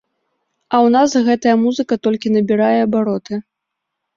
А ў нас гэтая музыка толькі набірае абароты.